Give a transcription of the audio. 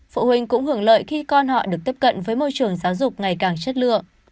phụ huynh cũng hưởng lợi khi con họ được tiếp cận với môi trường giáo dục ngày càng chất lượng